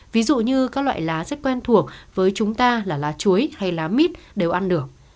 ví dụ như các loại lá rất quen thuộc với chúng ta là lá chuối hay lá mít đều ăn được